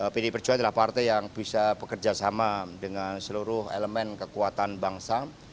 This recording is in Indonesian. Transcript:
pdip perjuang adalah partai yang bisa bekerjasama dengan seluruh elemen kekuatan bangsa